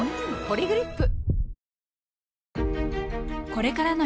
「ポリグリップ」